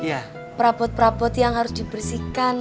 ya perabot perabot yang harus dibersihkan